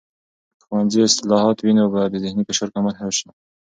که د ښوونځي اصلاحات وي، نو به د ذهني فشار کمښت راسي.